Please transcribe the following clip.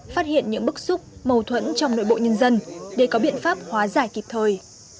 phát hiện những bức xúc mâu thuẫn trong nội bộ nhân dân để có biện pháp hóa giải kịp thời